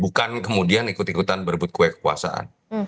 bukan kemudian ikut ikutan berebut kue kekuasaan